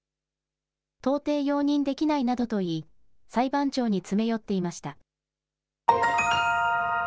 到底容認できないなどと言い、裁判長に詰め寄っていました。